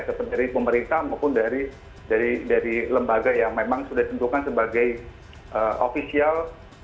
seperti dari pemerintah maupun dari lembaga yang memang sudah ditentukan sebagai ofisial